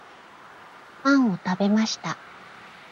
パンを食べました